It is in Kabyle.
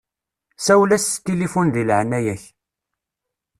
Sawel-as s tilifun di leɛnaya-k.